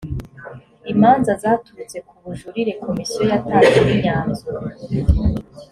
imanza zaturutse ku bujurire komisiyo yatanzeho imyanzuro